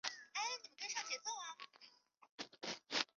其后再转投锡耶纳和墨西拿两支意大利小型球会。